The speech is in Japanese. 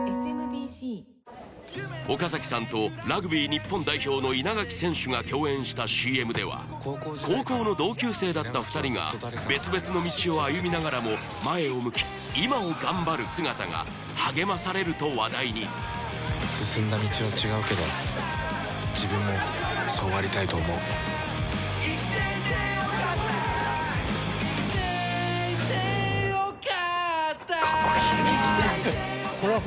岡崎さんとラグビー日本代表の稲垣選手が共演したＣＭでは高校の同級生だった２人が別々の道を歩みながらも前を向き今を頑張る姿が励まされると話題に進んだ道は違うけど自分もそうありたいと思う生きててよかった生きててよかった